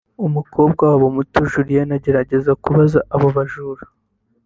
umukobwa wabo muto Julianna agerageje kubuza abo bajura